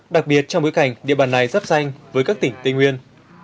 đặc biệt trong bối cảnh địa bàn này rắp xanh với các tỉnh tây nguyên